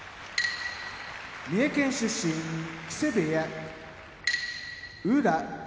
三重県出身木瀬部屋宇良